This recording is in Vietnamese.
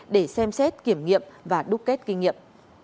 để xem xét kiểm nghiệm và đúc kết kinh nghiệm